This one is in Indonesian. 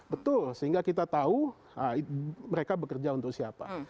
betul sehingga kita tahu mereka bekerja untuk siapa